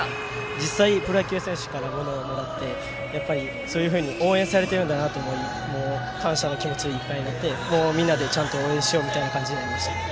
実際プロ野球選手からものをもらってやっぱりそういうふうに応援されているんだなと思って感謝の気持ちでいっぱいでみんなで、ちゃんと応援しようという感じになりました。